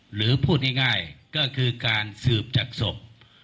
หรือพูดง่ายก็คือการสืบจากศพ